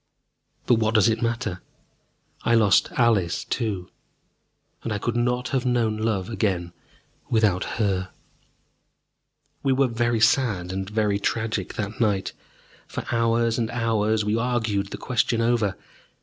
But what does it matter? I lost Alice too, and I could not have known love again without her. We were very sad and very tragic that night. For hours and hours we argued the question over.